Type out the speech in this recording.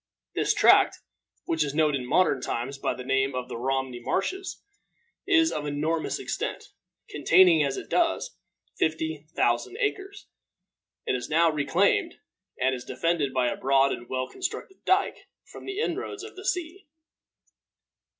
This tract, which is known in modern times by the name of the Romney Marshes, is of enormous extent, containing, as it does, fifty thousand acres. It is now reclaimed, and is defended by a broad and well constructed dike from the inroads of the sea.